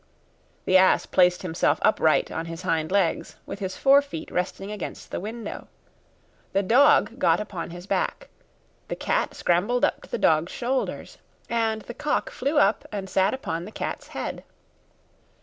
The ass placed himself upright on his hind legs, with his forefeet resting against the window; the dog got upon his back; the cat scrambled up to the dog's shoulders, and the cock flew up and sat upon the cat's head.